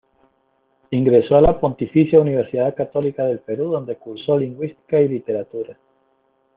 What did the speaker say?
Ingresó a la Pontificia Universidad Católica del Perú, donde cursó lingüística y literatura.